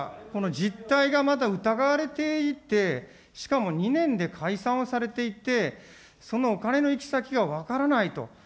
実態がまだ疑われていて、しかも２年で解散をされていて、そのお金の行き先が分からないと。